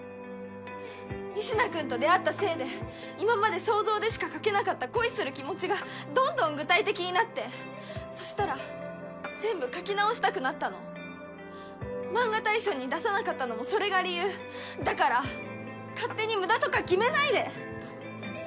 仁科君と出会ったせいで今まで想像でしか描けなかった恋する気持ちがどんどん具体的になってそしたら全部描き直したくなったの漫画大賞に出さなかったのもそれが理由だから勝手に無駄とか決めないで！